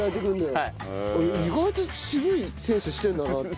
意外と渋いセンスしてるんだなって。